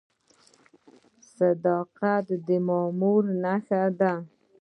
صداقت د مامور نښه ده؟